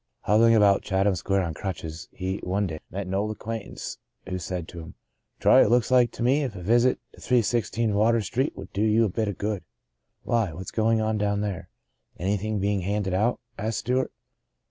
Hobbling about Chatham Square on crutches, he, one day, met an old acquaintance who said to him, " Charlie, it looks to me as if a visit to 316 Water Street would do you a bit o' good." " Why ?— what's going on down there ? Anything being handed out?" asked Stew art.